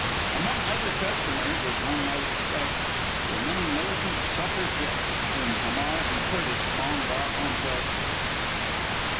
Among other customers, as one might expect, were many militant Suffragettes; whom Hamar and Curtis palmed off on Kelson.